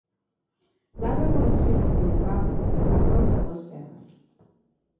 La revolución sin embargo afronta dos guerras.